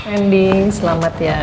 handing selamat ya